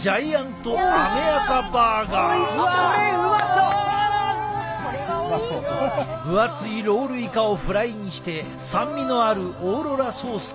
分厚いロールイカをフライにして酸味のあるオーロラソースと共に。